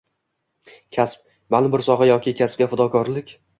Kasb, ma’lum bir soha yoki kasbga fidokorlik